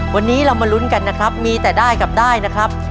วันนี้เรามาลุ้นกันนะครับมีแต่ได้กับได้นะครับ